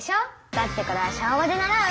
だってこれは小５で習う。